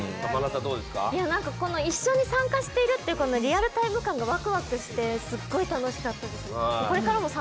一緒に参加しているというリアルタイム感がワクワクしてすごい楽しかったです。